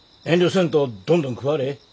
遠慮せんとどんどん食われえ。